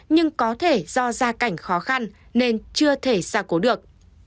nhưng có thể do gia cảnh khó khăn nên chưa thể xa cố được